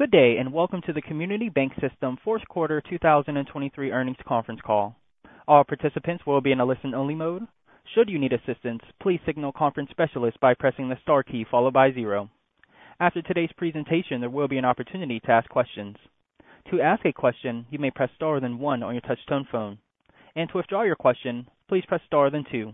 Good day, and welcome to the Community Bank System fourth quarter 2023 earnings conference call. All participants will be in a listen-only mode. Should you need assistance, please signal conference specialist by pressing the star key followed by zero. After today's presentation, there will be an opportunity to ask questions. To ask a question, you may press star then one on your touchtone phone, and to withdraw your question, please press star then two.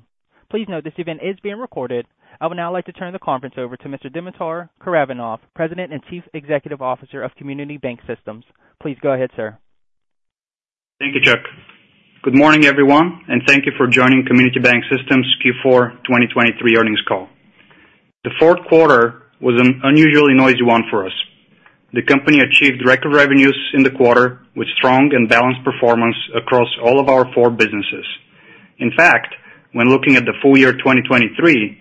Please note this event is being recorded. I would now like to turn the conference over to Mr. Dimitar Karaivanov, President and Chief Executive Officer of Community Bank System. Please go ahead, sir. Thank you, Chuck. Good morning, everyone, and thank you for joining Community Bank System's Q4 2023 earnings call. The fourth quarter was an unusually noisy one for us. The company achieved record revenues in the quarter with strong and balanced performance across all of our four businesses. In fact, when looking at the full year 2023,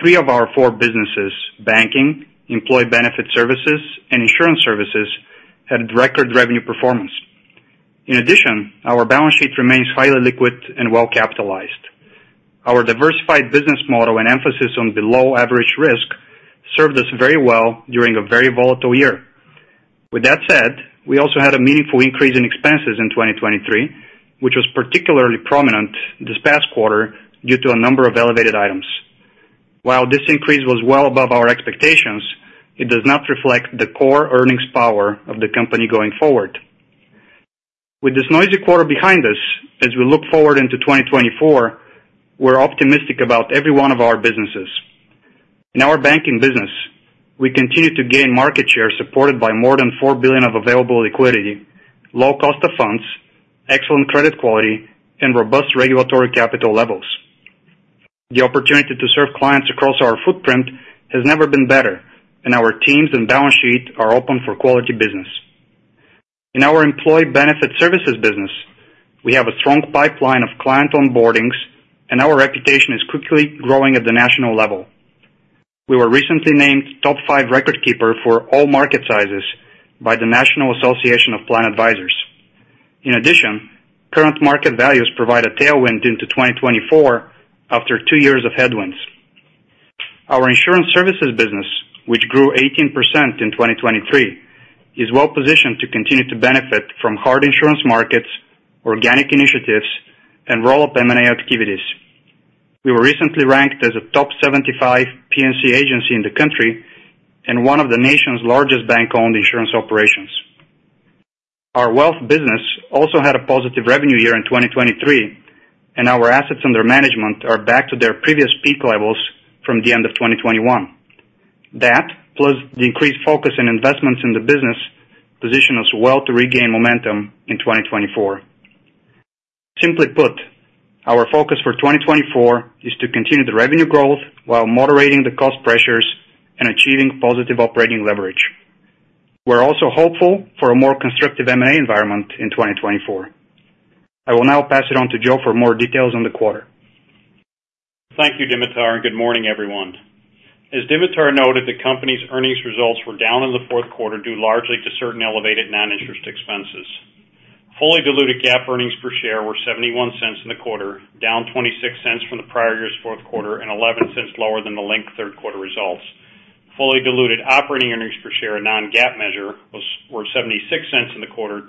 three of our four businesses, banking, employee benefit services, and insurance services, had record revenue performance. In addition, our balance sheet remains highly liquid and well capitalized. Our diversified business model and emphasis on below average risk served us very well during a very volatile year. With that said, we also had a meaningful increase in expenses in 2023, which was particularly prominent this past quarter due to a number of elevated items. While this increase was well above our expectations, it does not reflect the core earnings power of the company going forward. With this noisy quarter behind us, as we look forward into 2024, we're optimistic about every one of our businesses. In our banking business, we continue to gain market share, supported by more than $4 billion of available liquidity, low cost of funds, excellent credit quality, and robust regulatory capital levels. The opportunity to serve clients across our footprint has never been better, and our teams and balance sheet are open for quality business. In our employee benefit services business, we have a strong pipeline of client onboardings, and our reputation is quickly growing at the national level. We were recently named top five record keeper for all market sizes by the National Association of Plan Advisors. In addition, current market values provide a tailwind into 2024 after two years of headwinds. Our insurance services business, which grew 18% in 2023, is well positioned to continue to benefit from hard insurance markets, organic initiatives, and roll up M&A activities. We were recently ranked as a top 75 P&C agency in the country and one of the nation's largest bank-owned insurance operations. Our wealth business also had a positive revenue year in 2023, and our assets under management are back to their previous peak levels from the end of 2021. That, plus the increased focus in investments in the business, position us well to regain momentum in 2024. Simply put, our focus for 2024 is to continue the revenue growth while moderating the cost pressures and achieving positive operating leverage. We're also hopeful for a more constructive M&A environment in 2024. I will now pass it on to Joe for more details on the quarter. Thank you, Dimitar, and good morning, everyone. As Dimitar noted, the company's earnings results were down in the fourth quarter, due largely to certain elevated non-interest expenses. Fully diluted GAAP earnings per share were $0.71 in the quarter, down $0.26 from the prior year's fourth quarter and $0.11 lower than the linked third quarter results. Fully diluted operating earnings per share, a non-GAAP measure, was $0.76 in the quarter, $0.20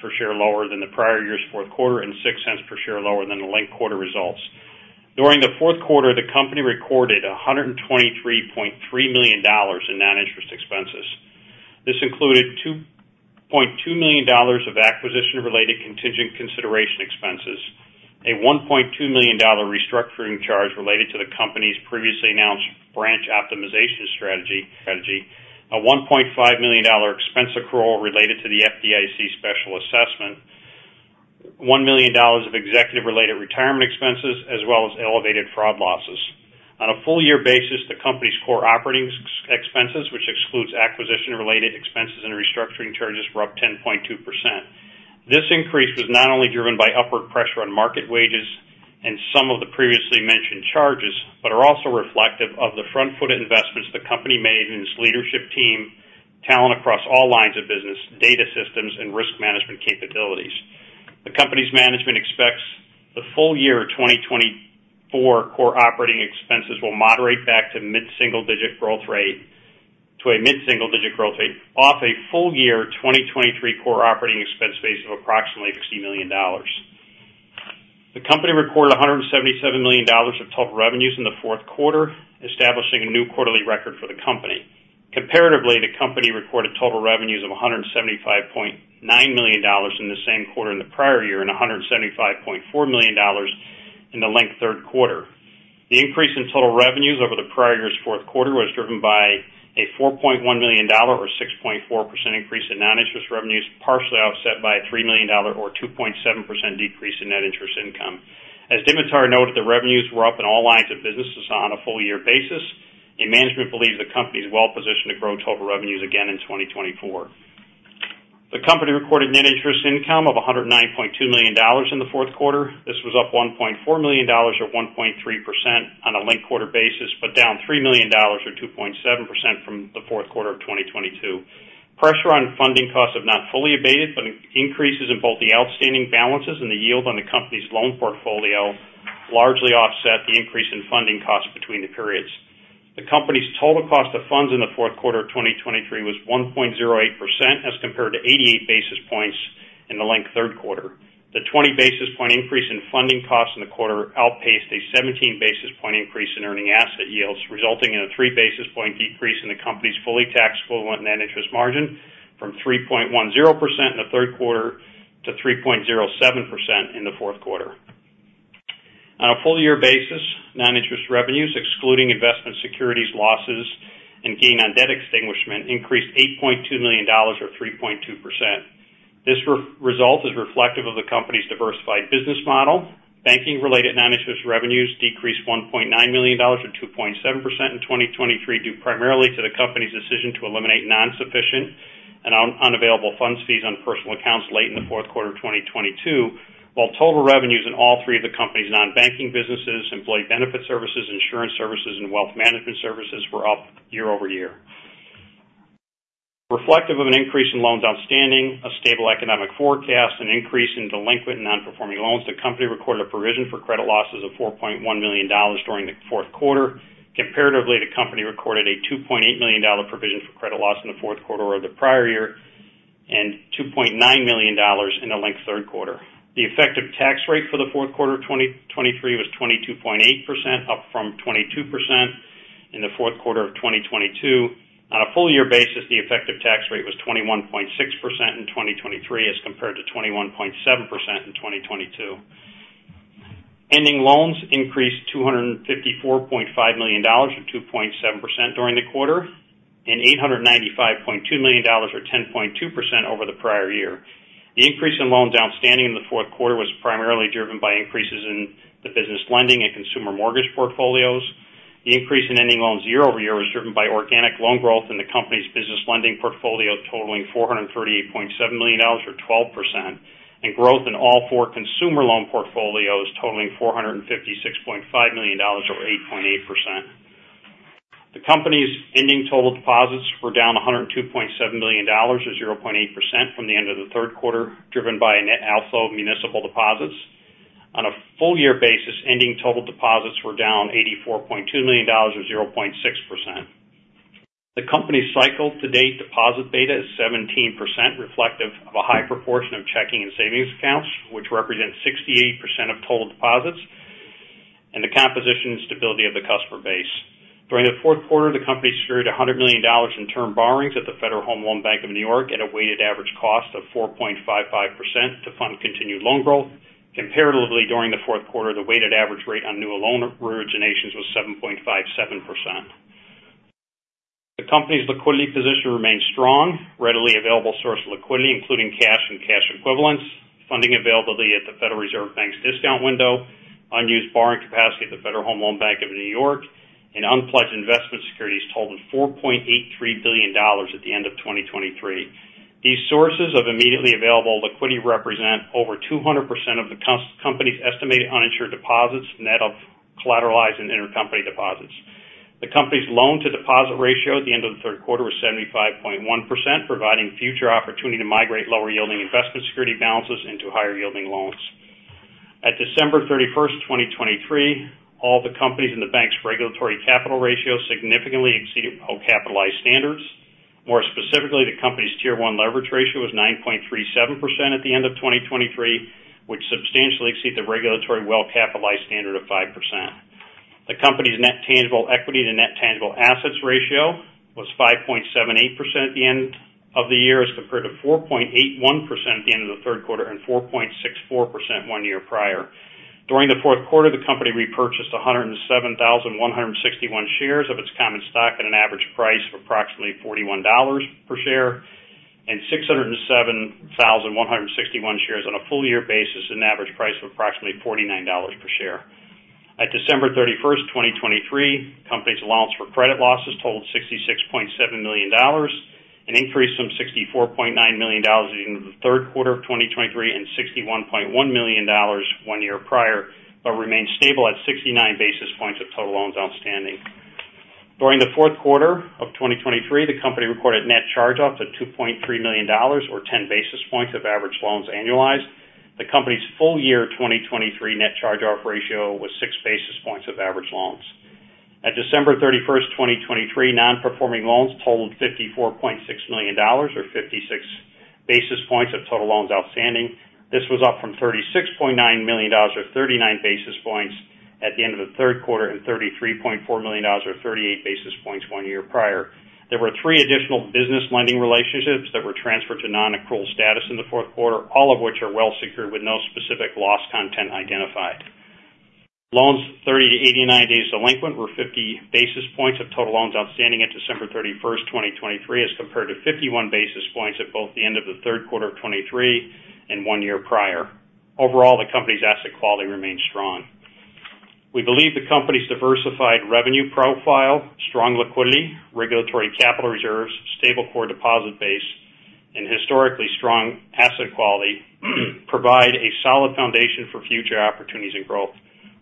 per share lower than the prior year's fourth quarter and $0.06 per share lower than the linked quarter results. During the fourth quarter, the company recorded $123.3 million in non-interest expenses. This included $2.2 million of acquisition-related contingent consideration expenses, a $1.2 million restructuring charge related to the company's previously announced branch optimization strategy, a $1.5 million expense accrual related to the FDIC special assessment, $1 million of executive-related retirement expenses, as well as elevated fraud losses. On a full year basis, the company's core operating expenses, which excludes acquisition-related expenses and restructuring charges, were up 10.2%. This increase was not only driven by upward pressure on market wages and some of the previously mentioned charges, but are also reflective of the front foot investments the company made in its leadership team, talent across all lines of business, data systems and risk management capabilities. The company's management expects the full year 2024 core operating expenses will moderate back to a mid-single-digit growth rate off a full year 2023 core operating expense base of approximately $60 million. The company recorded $177 million of total revenues in the fourth quarter, establishing a new quarterly record for the company. Comparatively, the company recorded total revenues of $175.9 million in the same quarter in the prior year, and $175.4 million in the linked third quarter. The increase in total revenues over the prior year's fourth quarter was driven by a $4.1 million or 6.4% increase in non-interest revenues, partially offset by a $3 million or 2.7% decrease in net interest income. As Dimitar noted, the revenues were up in all lines of businesses on a full year basis, and management believes the company is well positioned to grow total revenues again in 2024. The company recorded net interest income of $109.2 million in the fourth quarter. This was up $1.4 million or 1.3% on a linked quarter basis, but down $3 million or 2.7% from the fourth quarter of 2022. Pressure on funding costs have not fully abated, but increases in both the outstanding balances and the yield on the company's loan portfolio largely offset the increase in funding costs between the periods. The company's total cost of funds in the fourth quarter of 2023 was 1.08%, as compared to 88 basis points in the linked third quarter. The 20 basis point increase in funding costs in the quarter outpaced a 17 basis point increase in earning asset yields, resulting in a 3 basis point decrease in the company's fully taxable net interest margin from 3.10% in the third quarter to 3.07% in the fourth quarter. On a full year basis, non-interest revenues, excluding investment securities losses and gain on debt extinguishment, increased $8.2 million, or 3.2%. This result is reflective of the company's diversified business model. Banking-related non-interest revenues decreased $1.9 million, or 2.7% in 2023, due primarily to the company's decision to eliminate non-sufficient and unavailable funds fees on personal accounts late in the fourth quarter of 2022, while total revenues in all three of the company's non-banking businesses, employee benefit services, insurance services, and wealth management services, were up year over year. Reflective of an increase in loans outstanding, a stable economic forecast, an increase in delinquent and non-performing loans, the company recorded a provision for credit losses of $4.1 million during the fourth quarter. Comparatively, the company recorded a $2.8 million provision for credit loss in the fourth quarter of the prior year, and $2.9 million in the linked third quarter. The effective tax rate for the fourth quarter of 2023 was 22.8%, up from 22% in the fourth quarter of 2022. On a full year basis, the effective tax rate was 21.6% in 2023, as compared to 21.7% in 2022. Ending loans increased $254.5 million, or 2.7% during the quarter, and $895.2 million, or 10.2% over the prior year. The increase in loans outstanding in the fourth quarter was primarily driven by increases in the business lending and consumer mortgage portfolios. The increase in ending loans year-over-year was driven by organic loan growth in the company's business lending portfolio, totaling $438.7 million or 12%, and growth in all four consumer loan portfolios, totaling $456.5 million, or 8.8%. The company's ending total deposits were down $102.7 million, or 0.8% from the end of the third quarter, driven by a net outflow of municipal deposits. On a full year basis, ending total deposits were down $84.2 million, or 0.6%. The company's cycle to date deposit beta is 17%, reflective of a high proportion of checking and savings accounts, which represents 68% of total deposits and the composition and stability of the customer base. During the fourth quarter, the company secured $100 million in term borrowings at the Federal Home Loan Bank of New York at a weighted average cost of 4.55% to fund continued loan growth. Comparatively, during the fourth quarter, the weighted average rate on new loan originations was 7.57%. The company's liquidity position remains strong, readily available source of liquidity, including cash and cash equivalents, funding availability at the Federal Reserve Bank's discount window, unused borrowing capacity at the Federal Home Loan Bank of New York, and unpledged investment securities totaling $4.83 billion at the end of 2023. These sources of immediately available liquidity represent over 200% of the company's estimated uninsured deposits, net of collateralized and intercompany deposits. The company's loan to deposit ratio at the end of the third quarter was 75.1%, providing future opportunity to migrate lower yielding investment security balances into higher yielding loans. At December 31, 2023, all the companies in the bank's regulatory capital ratio significantly exceeded well capitalized standards. More specifically, the company's Tier 1 leverage ratio was 9.37% at the end of 2023, which substantially exceed the regulatory well capitalized standard of 5%. The company's net tangible equity to net tangible assets ratio was 5.78% at the end of the year, as compared to 4.81% at the end of the third quarter and 4.64% one year prior. During the fourth quarter, the company repurchased 107,161 shares of its common stock at an average price of approximately $41 per share, and 607,161 shares on a full year basis at an average price of approximately $49 per share. At December 31st, 2023, company's allowance for credit losses totaled $66.7 million, an increase from $64.9 million at the end of the third quarter of 2023, and $61.1 million one year prior, but remained stable at 69 basis points of total loans outstanding. During the fourth quarter of 2023, the company recorded net charge-offs of $2.3 million, or 10 basis points of average loans annualized. The company's full year 2023 net charge-off ratio was 6 basis points of average loans. At December 31, 2023, non-performing loans totaled $54.6 million, or 56 basis points of total loans outstanding. This was up from $36.9 million, or 39 basis points at the end of the third quarter, and $33.4 million, or 38 basis points one year prior. There were three additional business lending relationships that were transferred to non-accrual status in the fourth quarter, all of which are well secured with no specific loss content identified. Loans 30-89 days delinquent were 50 basis points of total loans outstanding at December 31, 2023, as compared to 51 basis points at both the end of the third quarter of 2023 and one year prior. Overall, the company's asset quality remains strong. We believe the company's diversified revenue profile, strong liquidity, regulatory capital reserves, stable core deposit base, and historically strong asset quality provide a solid foundation for future opportunities and growth.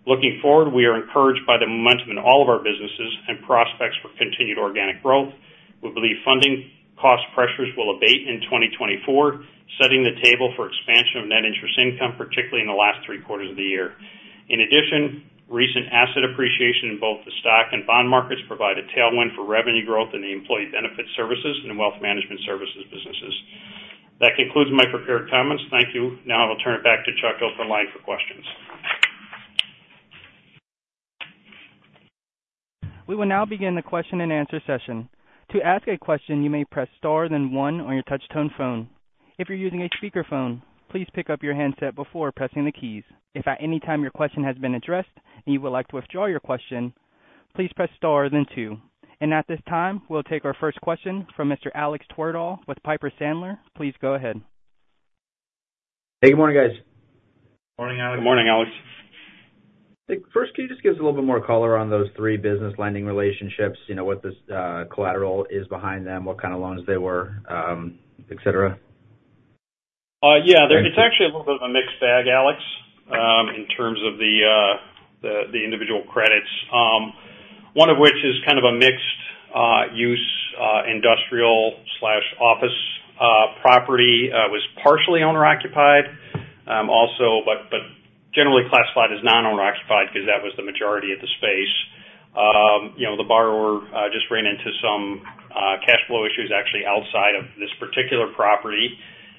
Looking forward, we are encouraged by the momentum in all of our businesses and prospects for continued organic growth. We believe funding cost pressures will abate in 2024, setting the table for expansion of net interest income, particularly in the last three quarters of the year. In addition, recent asset appreciation in both the stock and bond markets provide a tailwind for revenue growth in the employee benefit services and wealth management services businesses. That concludes my prepared comments. Thank you. Now I'll turn it back to Chuck, open line for questions. We will now begin the question and answer session. To ask a question, you may press star, then one on your touchtone phone. If you're using a speakerphone, please pick up your handset before pressing the keys. If at any time your question has been addressed and you would like to withdraw your question, please press star, then two. At this time, we'll take our first question from Mr. Alex Twerdahl with Piper Sandler. Please go ahead. Hey, good morning, guys. Morning, Alex. Good morning, Alex. First, can you just give us a little bit more color on those three business lending relationships? You know, what this, collateral is behind them, what kind of loans they were, et cetera? Yeah, there, it's actually a little bit of a mixed bag, Alex, in terms of the individual credits. One of which is kind of a mixed use industrial/office property, was partially owner-occupied, also, but generally classified as non-owner occupied, because that was the majority of the space. You know, the borrower just ran into some cash flow issues, actually, outside of this particular property.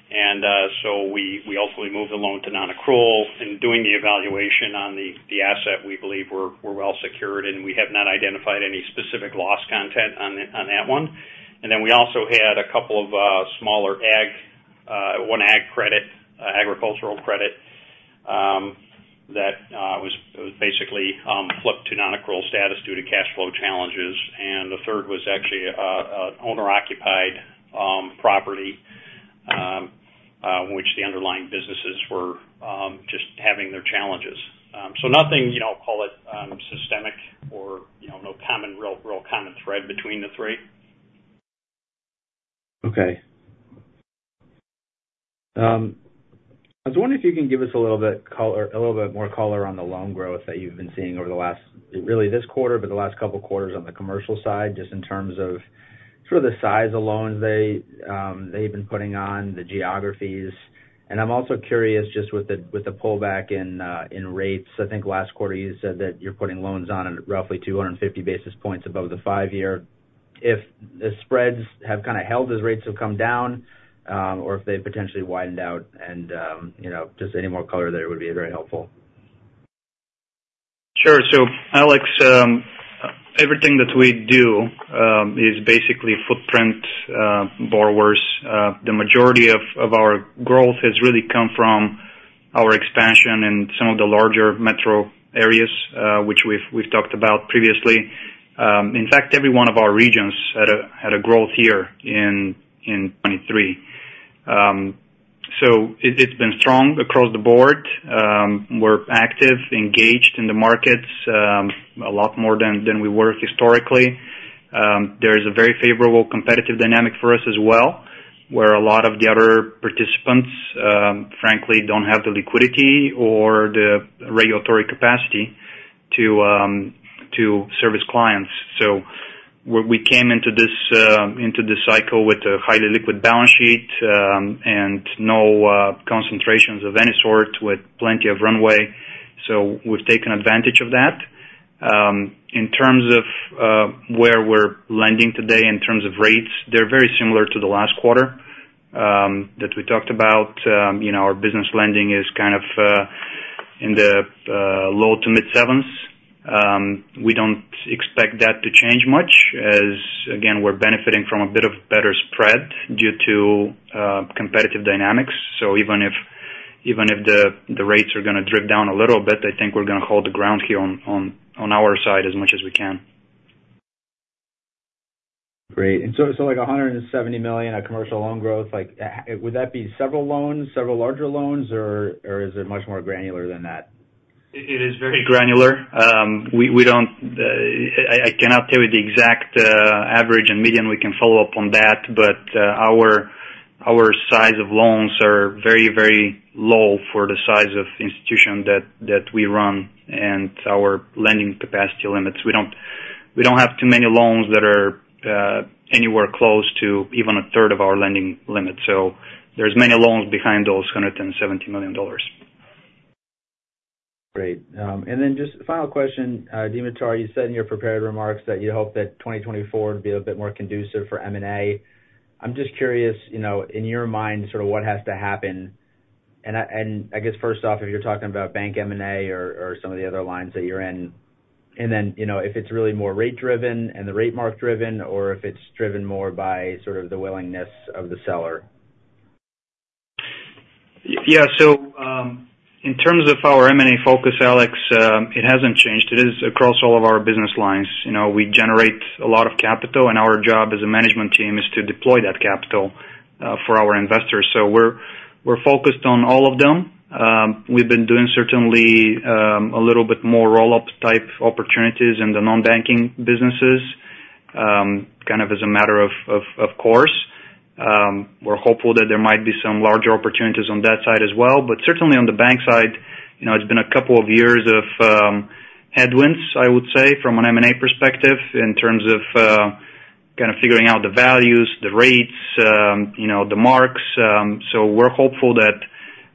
And so we ultimately moved the loan to non-accrual. In doing the evaluation on the asset, we believe we're well secured, and we have not identified any specific loss content on that one. And then we also had a couple of smaller ag, one ag credit, agricultural credit, that was basically flipped to non-accrual status due to cash flow challenges. And the third was actually an owner-occupied property which the underlying businesses were just having their challenges. So nothing, you know, call it systemic or, you know, no common, real, real common thread between the three. Okay. I was wondering if you can give us a little bit more color on the loan growth that you've been seeing over the last, really, this quarter, but the last couple of quarters on the commercial side, just in terms of sort of the size of loans they've been putting on, the geographies. And I'm also curious, just with the pullback in rates. I think last quarter, you said that you're putting loans on at roughly 250 basis points above the five-year. If the spreads have kind of held as rates have come down, or if they potentially widened out and, you know, just any more color there would be very helpful. Sure. So, Alex, everything that we do is basically footprint borrowers. The majority of our growth has really come from our expansion in some of the larger metro areas, which we've talked about previously. In fact, every one of our regions had a growth year in 2023. So it's been strong across the board. We're active, engaged in the markets a lot more than we were historically. There is a very favorable competitive dynamic for us as well, where a lot of the other participants frankly don't have the liquidity or the regulatory capacity to service clients. So we came into this cycle with a highly liquid balance sheet and no concentrations of any sort, with plenty of runway. So we've taken advantage of that. In terms of where we're lending today, in terms of rates, they're very similar to the last quarter that we talked about. You know, our business lending is kind of in the low to mid sevens. We don't expect that to change much as, again, we're benefiting from a bit of better spread due to competitive dynamics. So even if even if the rates are gonna drip down a little bit, I think we're gonna hold the ground here on our side as much as we can. Great. And so, so like $170 million of commercial loan growth, like, would that be several loans, several larger loans, or, or is it much more granular than that? It is very granular. We don't. I cannot tell you the exact average and median. We can follow up on that. But our size of loans are very, very low for the size of institution that we run and our lending capacity limits. We don't have too many loans that are anywhere close to even a third of our lending limit, so there's many loans behind those $170 million. Great. And then just final question, Dimitar, you said in your prepared remarks that you hope that 2024 would be a bit more conducive for M&A. I'm just curious, you know, in your mind, sort of what has to happen? And I, and I guess first off, if you're talking about bank M&A or, or some of the other lines that you're in, and then, you know, if it's really more rate driven and the rate mark driven, or if it's driven more by sort of the willingness of the seller. Yeah. So, in terms of our M&A focus, Alex, it hasn't changed. It is across all of our business lines. You know, we generate a lot of capital, and our job as a management team is to deploy that capital for our investors. So we're, we're focused on all of them. We've been doing certainly a little bit more roll-up type opportunities in the non-banking businesses, kind of as a matter of course. We're hopeful that there might be some larger opportunities on that side as well. But certainly on the bank side, you know, it's been a couple of years of headwinds, I would say, from an M&A perspective, in terms of kind of figuring out the values, the rates, you know, the marks. So we're hopeful that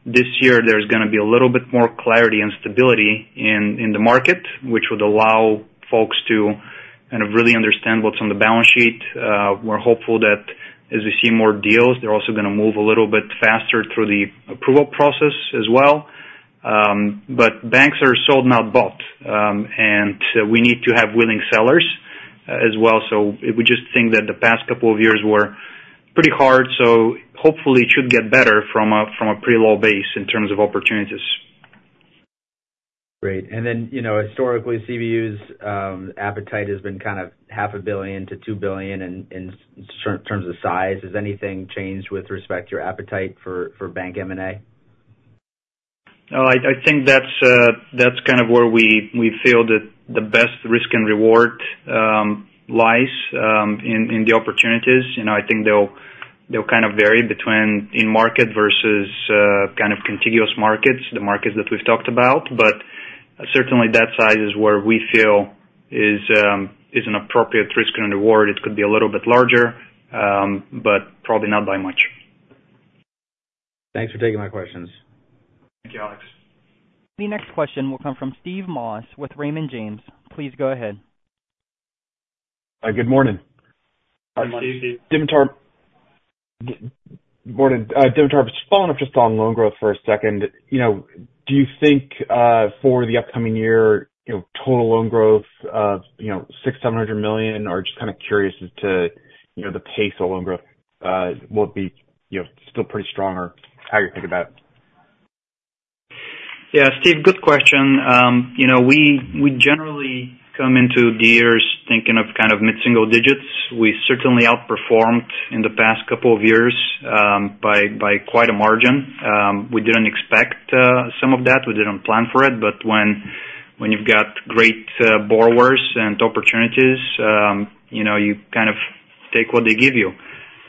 this year there's gonna be a little bit more clarity and stability in the market, which would allow folks to kind of really understand what's on the balance sheet. We're hopeful that as we see more deals, they're also gonna move a little bit faster through the approval process as well. But banks are sold, not bought, and we need to have willing sellers as well. So we just think that the past couple of years were pretty hard, so hopefully it should get better from a pretty low base in terms of opportunities. Great. And then, you know, historically, CBU's appetite has been kind of $500 million-$2 billion in terms of size. Has anything changed with respect to your appetite for bank M&A? No, I, I think that's, that's kind of where we, we feel that the best risk and reward, lies, in, in the opportunities. You know, I think they'll, they'll kind of vary between in market versus, kind of contiguous markets, the markets that we've talked about. But certainly that size is where we feel is, is an appropriate risk and reward. It could be a little bit larger, but probably not by much. Thanks for taking my questions. Thank you, Alex. The next question will come from Steve Moss with Raymond James. Please go ahead. Hi, good morning. Hi, Steve. Dimitar. Morning. Dimitar, just following up just on loan growth for a second. You know, do you think, for the upcoming year, you know, total loan growth of, you know, $600 million-$700 million? Or just kind of curious as to, you know, the pace of loan growth, will it be, you know, still pretty strong, or how you think about it? Yeah, Steve, good question. You know, we generally come into the years thinking of kind of mid-single digits. We certainly outperformed in the past couple of years by quite a margin. We didn't expect some of that. We didn't plan for it. But when you've got great borrowers and opportunities, you know, you kind of take what they give you.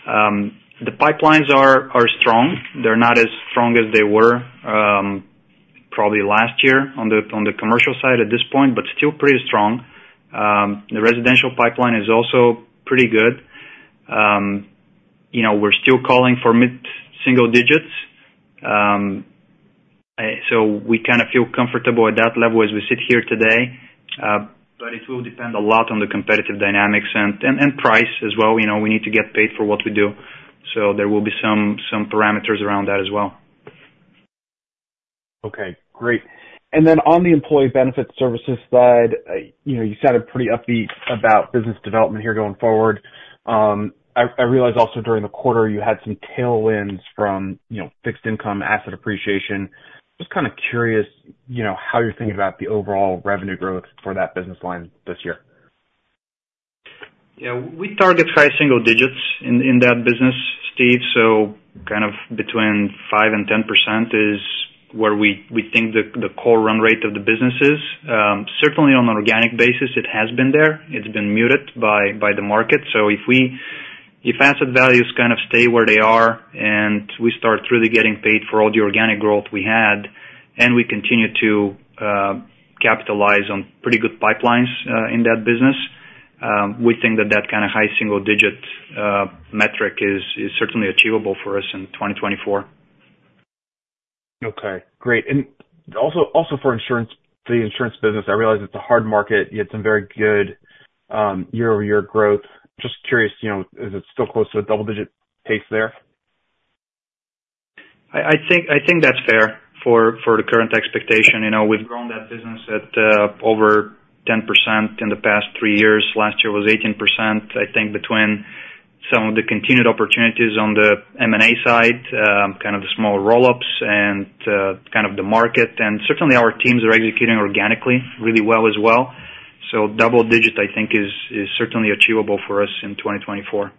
The pipelines are strong. They're not as strong as they were, probably last year on the commercial side at this point, but still pretty strong. The residential pipeline is also pretty good. You know, we're still calling for mid-single digits. So we kind of feel comfortable at that level as we sit here today, but it will depend a lot on the competitive dynamics and price as well. You know, we need to get paid for what we do, so there will be some parameters around that as well. Okay, great. And then on the employee benefit services side, you know, you sounded pretty upbeat about business development here going forward. I realize also during the quarter you had some tailwinds from, you know, fixed income, asset appreciation. Just kind of curious, you know, how you're thinking about the overall revenue growth for that business line this year. Yeah, we target high single digits in that business, Steve. So kind of between 5% and 10% is where we think the core run rate of the business is. Certainly on an organic basis, it has been there. It's been muted by the market. So if asset values kind of stay where they are and we start really getting paid for all the organic growth we had, and we continue to capitalize on pretty good pipelines in that business, we think that that kind of high single digit metric is certainly achievable for us in 2024. Okay, great. And also, also for insurance, the insurance business, I realize it's a hard market. You had some very good year-over-year growth. Just curious, you know, is it still close to a double-digit pace there? I think that's fair for the current expectation. You know, we've grown that business at over 10% in the past three years. Last year was 18%. I think between some of the continued opportunities on the M&A side, kind of the small roll-ups and kind of the market, and certainly our teams are executing organically really well as well. So double digit, I think, is certainly achievable for us in 2024.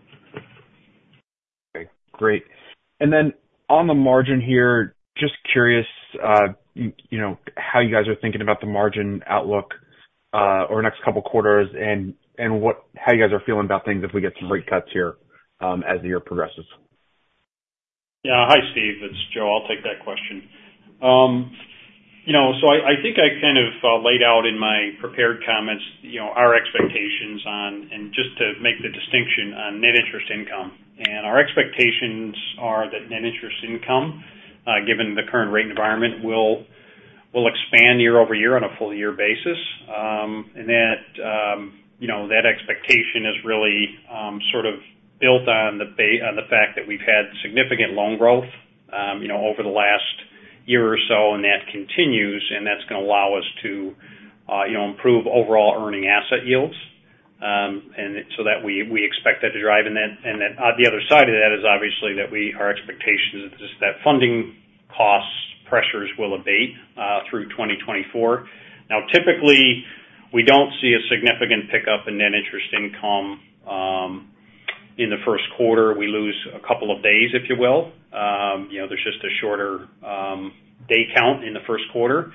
Okay, great. And then on the margin here, just curious, you know, how you guys are thinking about the margin outlook over the next couple of quarters and what, how you guys are feeling about things if we get some rate cuts here, as the year progresses? Yeah. Hi, Steve, it's Joe. I'll take that question. You know, so I think I kind of laid out in my prepared comments, you know, our expectations on... and just to make the distinction on net interest income. And our expectations are that net interest income, given the current rate environment, will expand year over year on a full year basis. And that, you know, that expectation is really sort of built on the fact that we've had significant loan growth, you know, over the last year or so, and that continues, and that's gonna allow us to, you know, improve overall earning asset yields. And so that we expect that to drive. And then on the other side of that is obviously that we—our expectation is just that funding costs, pressures will abate, through 2024. Now, typically, we don't see a significant pickup in net interest income, in the first quarter. We lose a couple of days, if you will.... day count in the first quarter.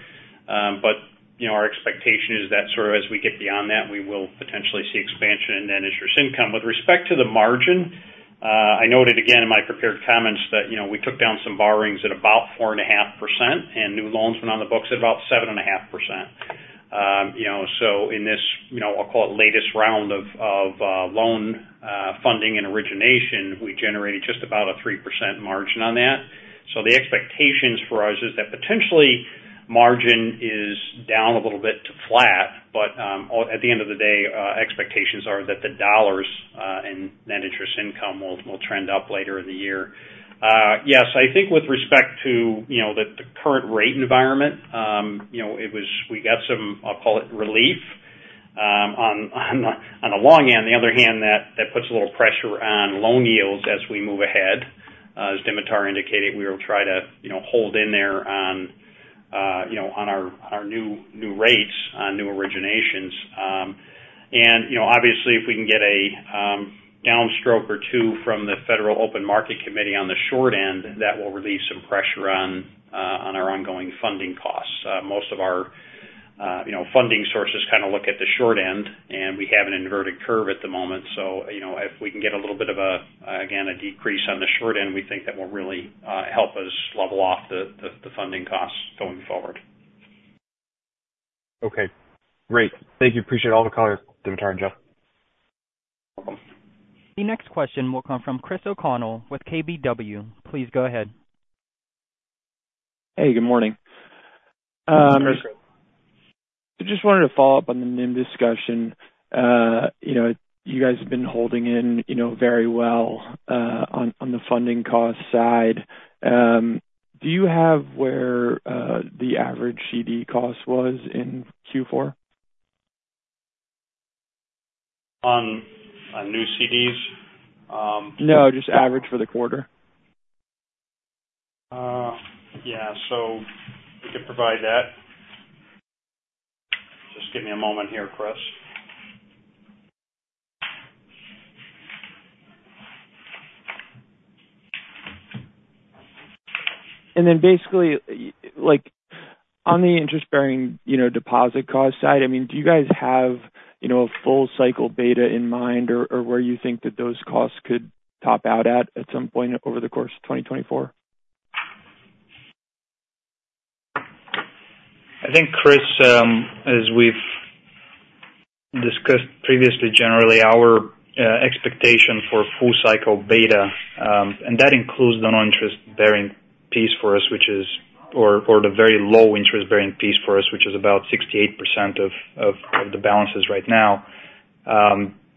But, you know, our expectation is that sort of as we get beyond that, we will potentially see expansion in net interest income. With respect to the margin, I noted again in my prepared comments that, you know, we took down some borrowings at about 4.5%, and new loans went on the books at about 7.5%. You know, so in this, you know, I'll call it latest round of loan funding and origination, we generated just about a 3% margin on that. So the expectations for us is that potentially margin is down a little bit to flat, but at the end of the day, expectations are that the dollars in net interest income will trend up later in the year. Yes, I think with respect to, you know, the current rate environment, you know, it was—we got some, I'll call it, relief on the long end. The other hand, that puts a little pressure on loan yields as we move ahead. As Dimitar indicated, we will try to, you know, hold in there on, you know, on our new rates on new originations. And, you know, obviously, if we can get a downstroke or two from the Federal Open Market Committee on the short end, that will relieve some pressure on our ongoing funding costs. Most of our, you know, funding sources kind of look at the short end, and we have an inverted curve at the moment. So, you know, if we can get a little bit of a, again, a decrease on the short end, we think that will really help us level off the funding costs going forward. Okay, great. Thank you. Appreciate all the color, Dimitar and Joe. The next question will come from Chris O'Connell with KBW. Please go ahead. Hey, good morning. Good morning, Chris. I just wanted to follow up on the NIM discussion. You know, you guys have been holding in, you know, very well on the funding cost side. Do you have where the average CD cost was in Q4? On new CDs- No, just average for the quarter. Yeah, so we could provide that. Just give me a moment here, Chris. Then basically, like, on the interest-bearing, you know, deposit cost side, I mean, do you guys have, you know, a full cycle beta in mind or, or where you think that those costs could top out at, at some point over the course of 2024? I think, Chris, as we've discussed previously, generally, our expectation for full cycle beta, and that includes the non-interest bearing piece for us, which is... or, or the very low interest bearing piece for us, which is about 68% of the balances right now.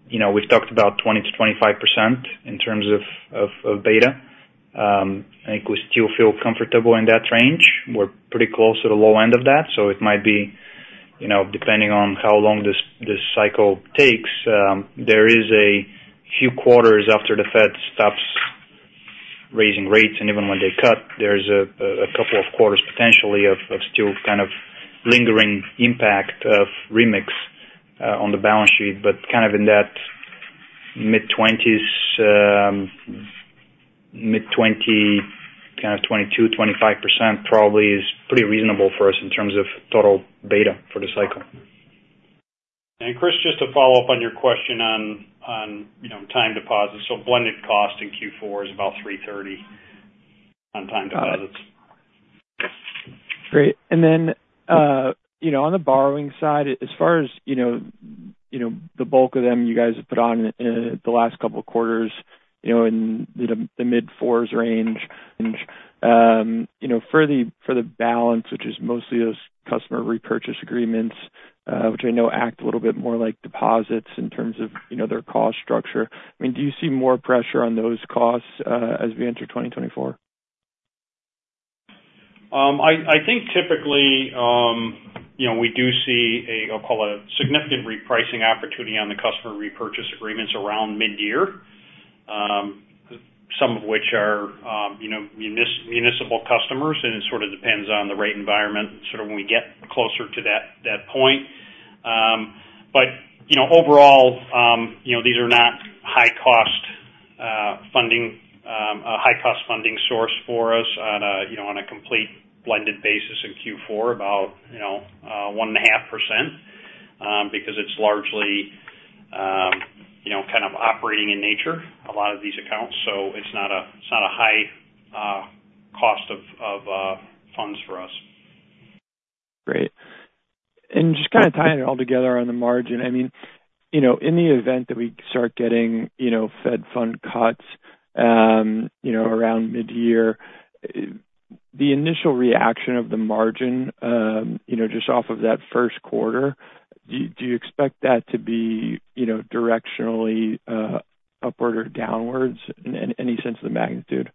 You know, we've talked about 20%-25% in terms of beta. I think we still feel comfortable in that range. We're pretty close to the low end of that, so it might be, you know, depending on how long this cycle takes, there is a few quarters after the Fed stops raising rates, and even when they cut, there's a couple of quarters potentially of still kind of lingering impact of remix on the balance sheet. But kind of in that mid-20s, kind of 22-25% probably is pretty reasonable for us in terms of total beta for the cycle. Chris, just to follow up on your question on, you know, time deposits. Blended cost in Q4 is about 3.30 on time deposits. Got it. Great. And then, you know, on the borrowing side, as far as, you know, the bulk of them, you guys have put on in the last couple of quarters, you know, in the mid-fours range. You know, for the balance, which is mostly those customer repurchase agreements, which I know act a little bit more like deposits in terms of, you know, their cost structure. I mean, do you see more pressure on those costs, as we enter 2024? I think typically, you know, we do see a, I'll call it, a significant repricing opportunity on the customer repurchase agreements around mid-year. Some of which are, you know, municipal customers, and it sort of depends on the rate environment, sort of when we get closer to that point. But, you know, overall, you know, these are not high-cost funding, a high-cost funding source for us on a, you know, on a complete blended basis in Q4 about, you know, 1.5%, because it's largely, you know, kind of operating in nature, a lot of these accounts. So it's not a, it's not a high cost of funds for us. Great. Just kind of tying it all together on the margin. I mean, you know, in the event that we start getting, you know, fed funds cuts, you know, around mid-year, the initial reaction of the margin, you know, just off of that first quarter, do you expect that to be, you know, directionally, upward or downward? And any sense of the magnitude?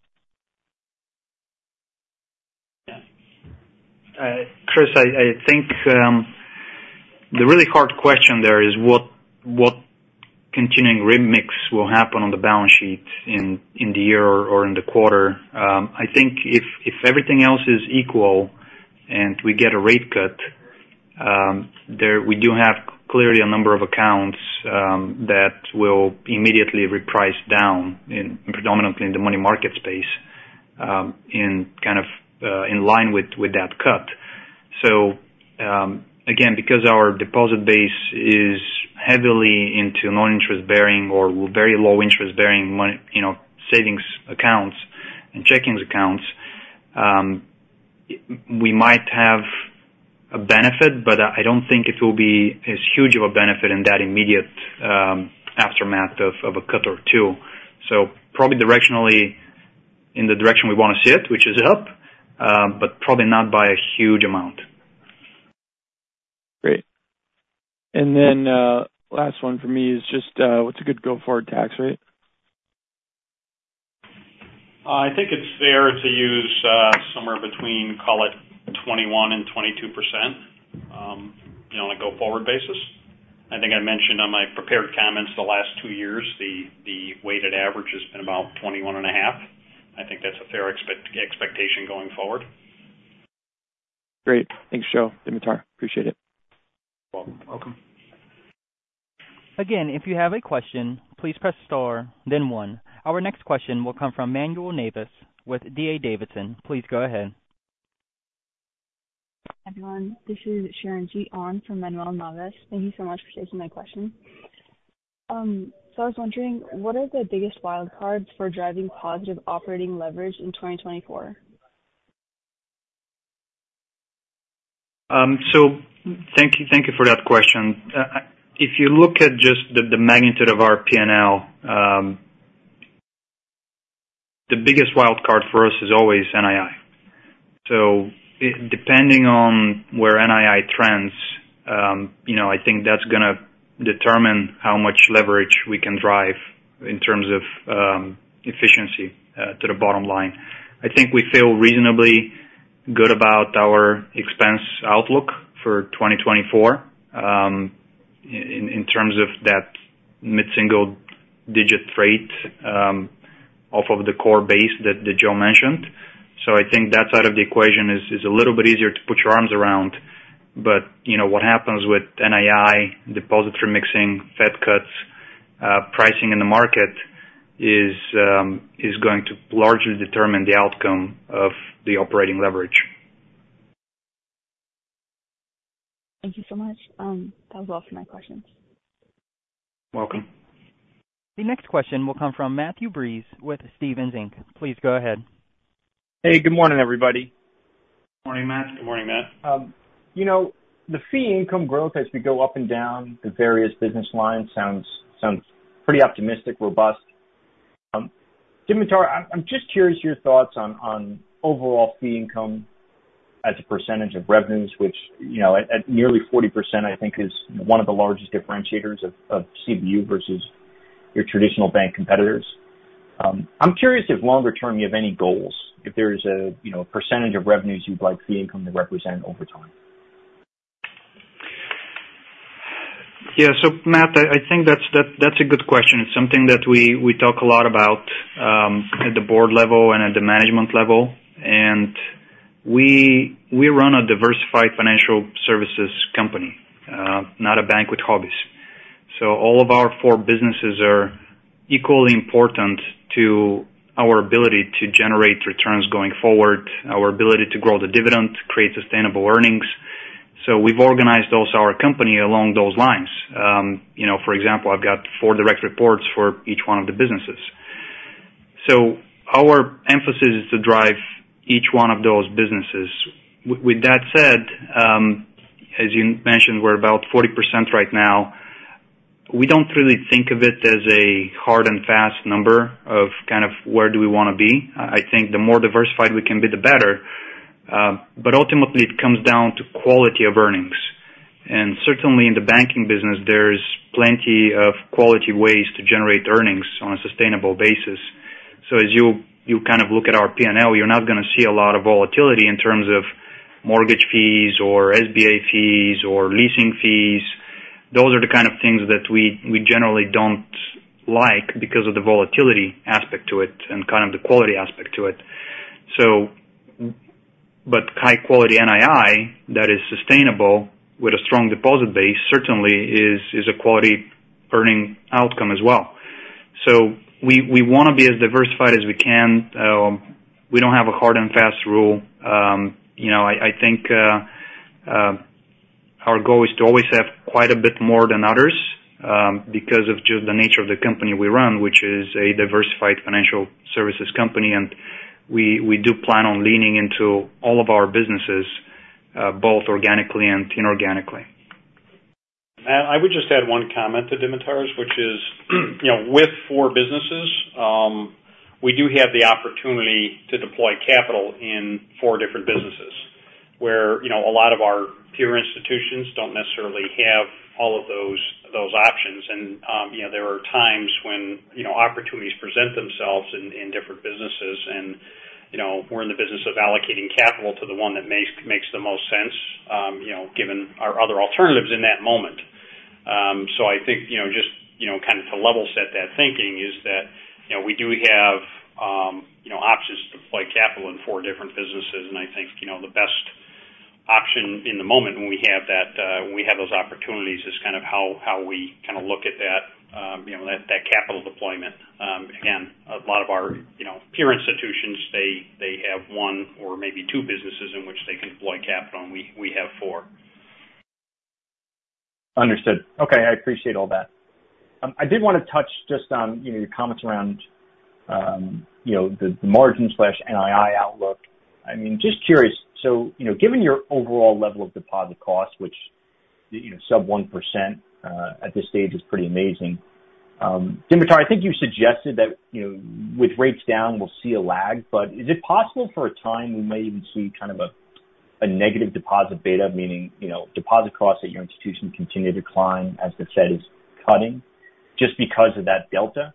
Chris, I think the really hard question there is what continuing remix will happen on the balance sheet in the year or in the quarter. I think if everything else is equal and we get a rate cut, we do have clearly a number of accounts that will immediately reprice down, predominantly in the money market space, in kind of in line with that cut. So, again, because our deposit base is heavily into non-interest bearing or very low interest bearing money, you know, savings accounts and checking accounts, we might have a benefit, but I don't think it will be as huge of a benefit in that immediate aftermath of a cut or two. Probably directionally, in the direction we want to see it, which is up, but probably not by a huge amount. Great. And then, last one for me is just, what's a good go-forward tax rate? I think it's fair to use somewhere between, call it 21%-22%, you know, on a go-forward basis. I think I mentioned on my prepared comments the last two years, the weighted average has been about 21.5%. I think that's a fair expectation going forward. Great. Thanks, Joe, Dimitar. Appreciate it. Welcome. Welcome. Again, if you have a question, please press star then one. Our next question will come from Manuel Navas with D.A. Davidson. Please go ahead. Hi, everyone. This is Sharon Gee on from Manuel Navas. Thank you so much for taking my question. So, I was wondering, what are the biggest wild cards for driving positive operating leverage in 2024? So thank you, thank you for that question. If you look at just the magnitude of our P&L, the biggest wild card for us is always NII. So depending on where NII trends, you know, I think that's going to determine how much leverage we can drive in terms of efficiency to the bottom line. I think we feel reasonably good about our expense outlook for 2024, in terms of that mid-single digit growth off of the core base that Joe mentioned. So I think that side of the equation is a little bit easier to put your arms around. But, you know, what happens with NII, depository mixing, Fed cuts, pricing in the market is going to largely determine the outcome of the operating leverage. Thank you so much. That was all for my questions. Welcome. The next question will come from Matthew Breese with Stephens Inc. Please go ahead. Hey, good morning, everybody. Morning, Matt. Good morning, Matt. You know, the fee income growth as we go up and down the various business lines sounds pretty optimistic, robust. Dimitar, I'm just curious your thoughts on overall fee income as a percentage of revenues, which, you know, at nearly 40%, I think is one of the largest differentiators of CBU versus your traditional bank competitors. I'm curious if longer term you have any goals, if there is a, you know, percentage of revenues you'd like fee income to represent over time? Yeah. So Matt, I think that's a good question. It's something that we talk a lot about at the board level and at the management level. And we run a diversified financial services company, not a bank with hobbies. So all of our four businesses are equally important to our ability to generate returns going forward, our ability to grow the dividend, create sustainable earnings. So we've organized also our company along those lines. You know, for example, I've got four direct reports for each one of the businesses. So our emphasis is to drive each one of those businesses. With that said, as you mentioned, we're about 40% right now. We don't really think of it as a hard and fast number of kind of where do we want to be. I think the more diversified we can be, the better. But ultimately it comes down to quality of earnings. And certainly in the banking business, there's plenty of quality ways to generate earnings on a sustainable basis. So as you kind of look at our P&L, you're not going to see a lot of volatility in terms of mortgage fees or SBA fees or leasing fees. Those are the kind of things that we generally don't like because of the volatility aspect to it and kind of the quality aspect to it. So, but high quality NII that is sustainable with a strong deposit base, certainly is a quality earning outcome as well. So we want to be as diversified as we can. We don't have a hard and fast rule. You know, I think our goal is to always have quite a bit more than others, because of just the nature of the company we run, which is a diversified financial services company, and we do plan on leaning into all of our businesses, both organically and inorganically. And I would just add one comment to Dimitar's, which is, you know, with four businesses, we do have the opportunity to deploy capital in four different businesses, where, you know, a lot of our peer institutions don't necessarily have all of those options. And, you know, there are times when, you know, opportunities present themselves in different businesses and, you know, we're in the business of allocating capital to the one that makes the most sense, you know, given our other alternatives in that moment. So I think, you know, just, you know, kind of to level set that thinking is that, you know, we do have, you know, options to deploy capital in four different businesses. I think, you know, the best option in the moment when we have that, when we have those opportunities is kind of how we kind of look at that, you know, that capital deployment. Again, a lot of our, you know, peer institutions, they have one or maybe two businesses in which they can deploy capital, and we have four. Understood. Okay, I appreciate all that. I did want to touch just on, you know, your comments around, you know, the, the margin/NII outlook. I mean, just curious, so, you know, given your overall level of deposit costs, which, you know, sub 1% at this stage is pretty amazing. Dimitar, I think you suggested that, you know, with rates down, we'll see a lag, but is it possible for a time we may even see kind of a, a negative deposit beta, meaning, you know, deposit costs at your institution continue to decline as the Fed is cutting just because of that delta?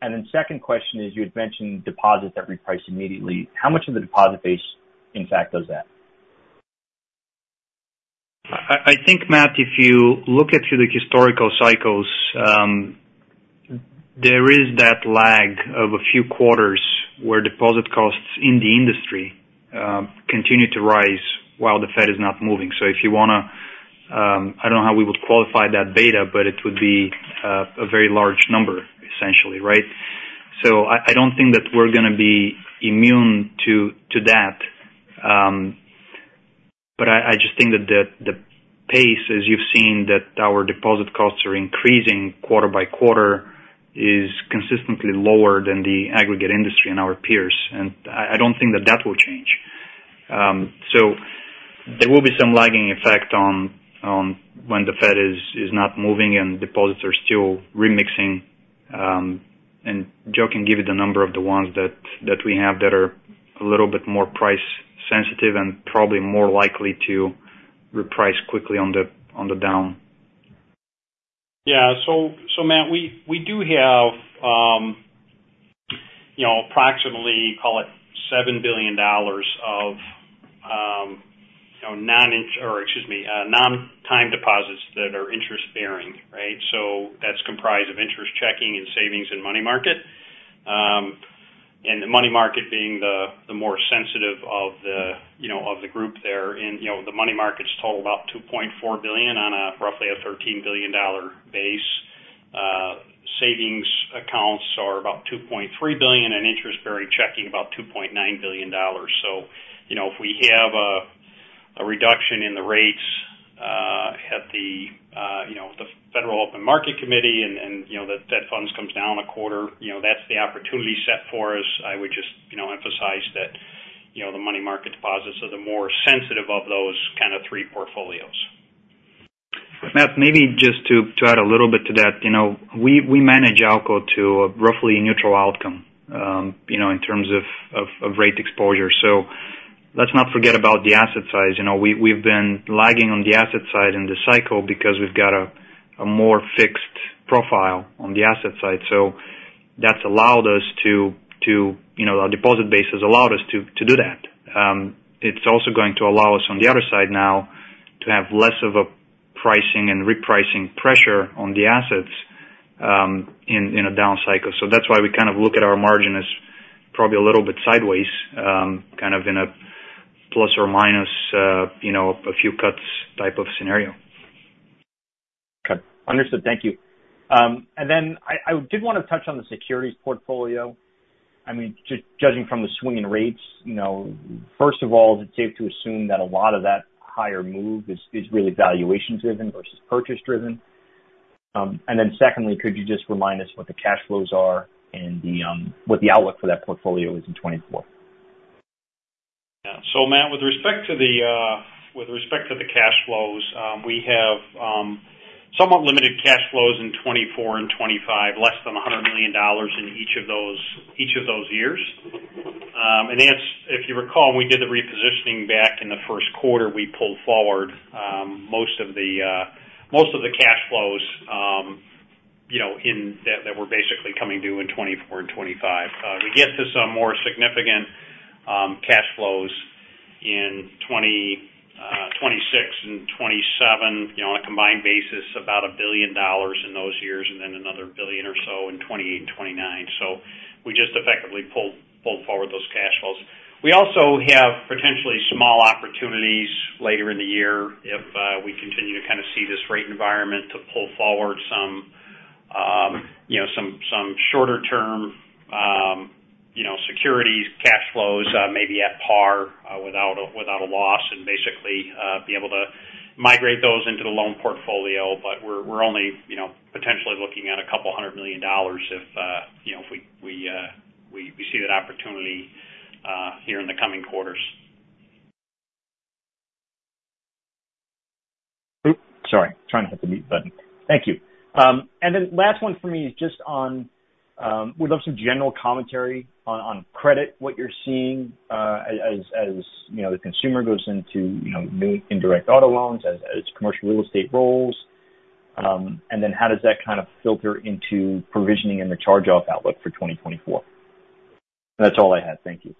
And then second question is, you had mentioned deposits that reprice immediately. How much of the deposit base, in fact, does that? I think, Matt, if you look at through the historical cycles, there is that lag of a few quarters where deposit costs in the industry continue to rise while the Fed is not moving. So if you want to... I don't know how we would qualify that beta, but it would be a very large number, essentially, right? So I don't think that we're going to be immune to that. But I just think that the pace, as you've seen, that our deposit costs are increasing quarter by quarter, is consistently lower than the aggregate industry and our peers, and I don't think that that will change. So there will be some lagging effect on when the Fed is not moving and deposits are still remixing. And Joe can give you the number of the ones that we have that are a little bit more price sensitive and probably more likely to reprice quickly on the down. Yeah. So, Matt, we do have, you know, approximately, call it $7 billion of, you know, non-time deposits that are interest bearing, right? So that's comprised of interest checking and savings and money market. And the money market being the more sensitive of the, you know, of the group there. And, you know, the money markets total about $2.4 billion on a roughly $13 billion base. Savings accounts are about $2.3 billion, and interest bearing checking about $2.9 billion. So, you know, if we have a reduction in the rates at the, you know, the Federal Open Market Committee and, you know, the fed funds comes down a quarter, you know, that's the opportunity set for us. I would just, you know, emphasize that, you know, the money market deposits are the more sensitive of those kind of three portfolios. Matt, maybe just to add a little bit to that. You know, we manage ALCO to a roughly neutral outcome, you know, in terms of rate exposure. So let's not forget about the asset size. You know, we've been lagging on the asset side in this cycle because we've got a more fixed profile on the asset side. So that's allowed us to, you know, our deposit base has allowed us to do that. It's also going to allow us on the other side now to have less of a pricing and repricing pressure on the assets, in a down cycle. So that's why we kind of look at our margin as probably a little bit sideways, kind of in a plus or minus, you know, a few cuts type of scenario. Okay, understood. Thank you. And then I did want to touch on the securities portfolio. I mean, just judging from the swing in rates, you know, first of all, is it safe to assume that a lot of that higher move is really valuation driven versus purchase driven? And then secondly, could you just remind us what the cash flows are and what the outlook for that portfolio is in 2024? Yeah. So Matt, with respect to the cash flows, we have somewhat limited cash flows in 2024 and 2025, less than $100 million in each of those years. And that's, if you recall, we did the repositioning back in the first quarter. We pulled forward most of the cash flows, you know, that were basically coming due in 2024 and 2025. We get to some more significant cash flows in 2026 and 2027, you know, on a combined basis, about $1 billion in those years, and then another $1 billion or so in 2028 and 2029. So we just effectively pulled forward those cash flows. We also have potentially small opportunities later in the year if we continue to kind of see this rate environment to pull forward some, you know, some shorter term, you know, securities cash flows, maybe at par, without a loss, and basically be able to migrate those into the loan portfolio. But we're only, you know, potentially looking at $200 million if, you know, if we see that opportunity here in the coming quarters. Oops! Sorry, trying to hit the mute button. Thank you. And then last one for me is just on, we'd love some general commentary on, on credit, what you're seeing, as, you know, the consumer goes into, you know, new indirect auto loans, as, commercial real estate rolls. And then how does that kind of filter into provisioning and the charge-off outlook for 2024?... That's all I had. Thank you.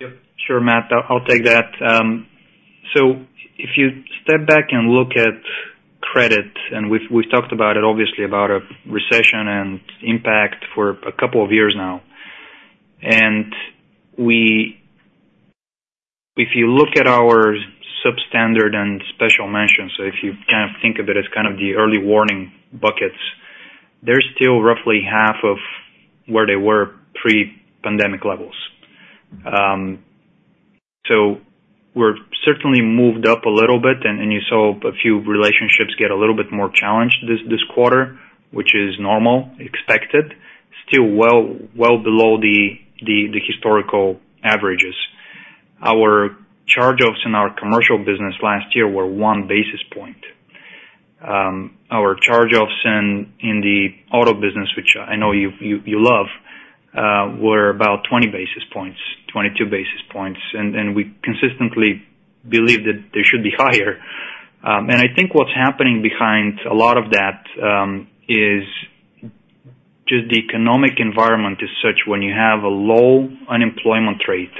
Yep, sure, Matt, I'll take that. So if you step back and look at credit, and we've talked about it obviously, about a recession and impact for a couple of years now. And if you look at our substandard and special mentions, so if you kind of think of it as kind of the early warning buckets, they're still roughly half of where they were pre-pandemic levels. So we're certainly moved up a little bit, and you saw a few relationships get a little bit more challenged this quarter, which is normal, expected. Still well below the historical averages. Our charge-offs in our commercial business last year were one basis point. Our charge-offs in the auto business, which I know you love, were about 20 basis points, 22 basis points. We consistently believe that they should be higher. I think what's happening behind a lot of that is just the economic environment is such when you have a low unemployment rate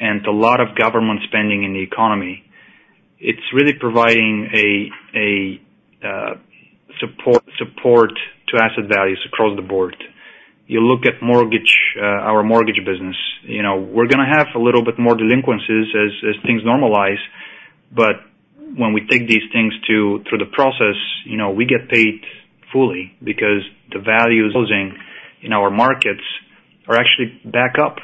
and a lot of government spending in the economy, it's really providing a support to asset values across the board. You look at our mortgage business, you know, we're gonna have a little bit more delinquencies as things normalize. But when we take these things through the process, you know, we get paid fully because the values in our markets are actually back up.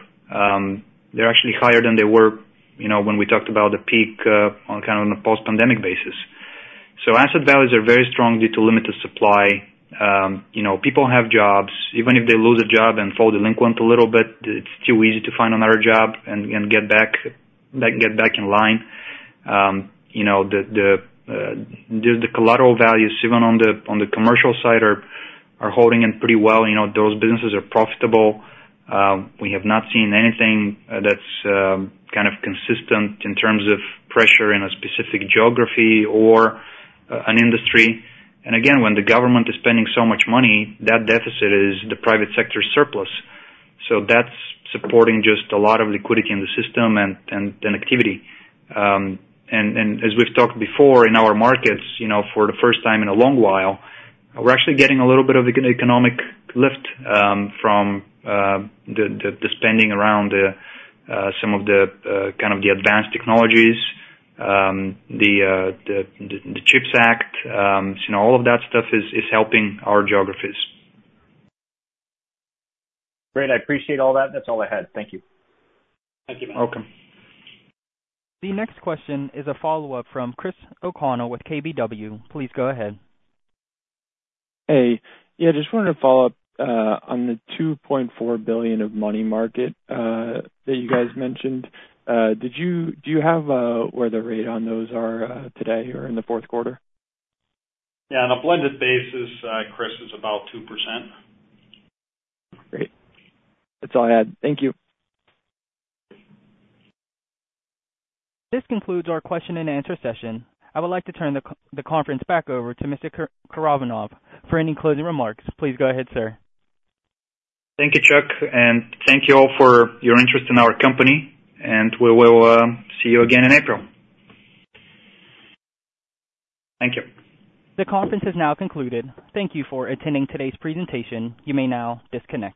They're actually higher than they were, you know, when we talked about the peak on kind of on a post-pandemic basis. So asset values are very strong due to limited supply. You know, people have jobs. Even if they lose a job and fall delinquent a little bit, it's too easy to find another job and, and get back, like, get back in line. You know, the collateral values, even on the commercial side, are holding in pretty well. You know, those businesses are profitable. We have not seen anything that's kind of consistent in terms of pressure in a specific geography or an industry. And again, when the government is spending so much money, that deficit is the private sector surplus. So that's supporting just a lot of liquidity in the system and activity. And as we've talked before in our markets, you know, for the first time in a long while, we're actually getting a little bit of economic lift from the spending around some of the kind of the advanced technologies, the CHIPS Act. You know, all of that stuff is helping our geographies. Great. I appreciate all that. That's all I had. Thank you. Thank you, Matt. Welcome. The next question is a follow-up from Chris O'Connell with KBW. Please go ahead. Hey, yeah, just wanted to follow up on the $2.4 billion of money market that you guys mentioned. Did you... Do you have where the rate on those are today or in the fourth quarter? Yeah, on a blended basis, Chris, it's about 2%. Great. That's all I had. Thank you. This concludes our question and answer session. I would like to turn the conference back over to Mr. Karaivanov for any closing remarks. Please go ahead, sir. Thank you, Chuck, and thank you all for your interest in our company, and we will see you again in April. Thank you. The conference is now concluded. Thank you for attending today's presentation. You may now disconnect.